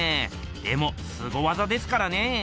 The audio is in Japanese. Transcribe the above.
でもすご技ですからね。